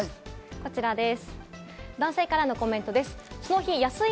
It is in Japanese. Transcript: こちらです。